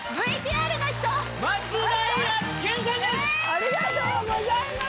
ありがとうございます！